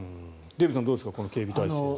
デーブさん、どうですかこの警備態勢。